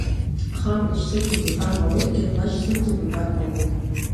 Хакәыцә сыхьӡуп уҳәар ҟалоит, Гьадлач сыхьӡуп уҳәар ҟалоит…